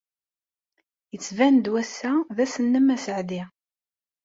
Yettban-d wass-a d ass-nnem aseɛdi.